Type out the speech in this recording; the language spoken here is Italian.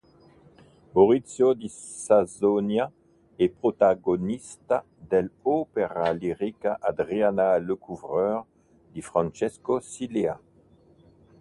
Maurizio di Sassonia è protagonista dell'opera lirica Adriana Lecouvreur, di Francesco Cilea.